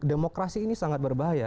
demokrasi ini sangat berbahaya